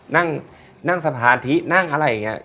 นั่งสะพาธินั่งอะไรอย่างเงี้ย